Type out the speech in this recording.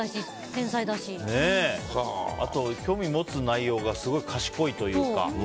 あと、興味持つ内容がすごい賢いというか。